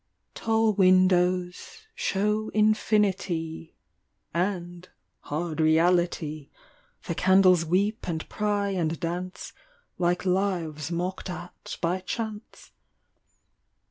Tall windows show Infinity ; And, hard reality, The candles weep and pry and dance Like lives mocked at by Chance.